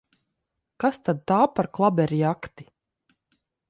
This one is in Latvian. Kas tad tā par klaberjakti!